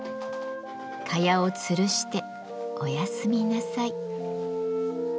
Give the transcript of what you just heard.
蚊帳をつるしておやすみなさい。